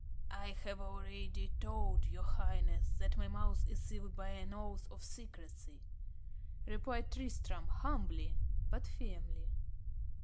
"I have already told your highness that my mouth is sealed by an oath of secrecy," replied Tristram, humbly, but firmly.